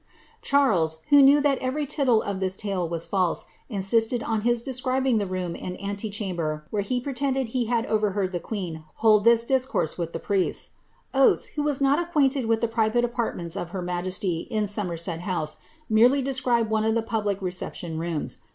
"' Charles, who knew that every tittle of this tale was false^ insisted oa his describing tlie room and ante chamber, where he pretended he hid overheard the queen hold this discourse with the priests. Oates, who was not acquainted with the private apartments of her majesty in Some^ set House, merely described one of the public reception rooms.